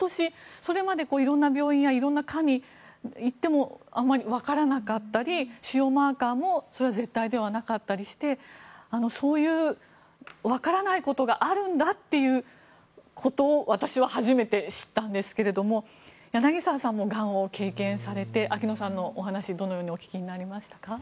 それまで色んな病院や色んな科に行ってもあまりわからなかったり腫瘍マーカーも絶対ではなかったりしてそういう、わからないことがあるんだということを私は初めて知ったんですけれども柳澤さんもがんを経験されて秋野さんのお話、どのようにお聞きになりましたか。